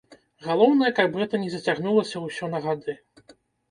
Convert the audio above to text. Галоўнае, каб гэта не зацягнулася ўсё на гады!